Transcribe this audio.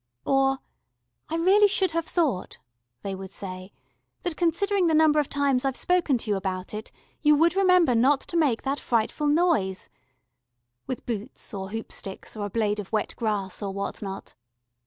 Or, "I really should have thought," they would say, "that considering the number of times I've spoken about it you would remember not to make that frightful noise," with boots or hoop sticks or a blade of wet grass or what not.